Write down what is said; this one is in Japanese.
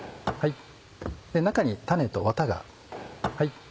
中に種とワタが。